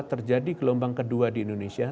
terjadi gelombang kedua di indonesia